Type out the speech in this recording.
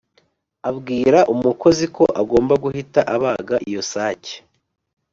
abwira umukozi ko agomba guhita abaga iyo sake.